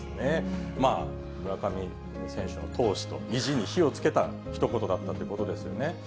村上選手の闘志と意地に火をつけたひと言だったということですよね。